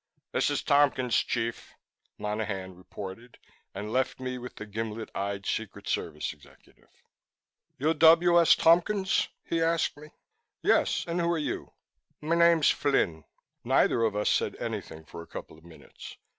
"This is Tompkins, Chief," Monaghan reported and left me with the gimlet eyed Secret Service executive. "You W. S. Tompkins?" he asked me. "Yes. And who are you?" "My name's Flynn." Neither of us said anything for a couple of minutes.